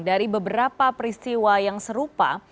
dari beberapa peristiwa yang serupa